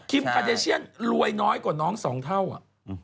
คาเดเชียนรวยน้อยกว่าน้องสองเท่าอ่ะ